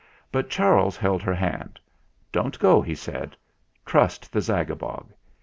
But Charles held her hand. "Don't go," he said. "Trust the Zagabog.